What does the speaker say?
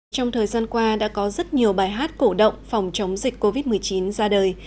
trong thời gian qua đã có rất nhiều bài hát cổ động phòng chống dịch covid một mươi chín ra đời